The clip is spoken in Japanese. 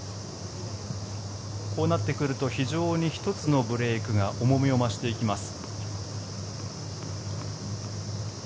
こうなってくると非常に１つのブレークが重みを増していきます。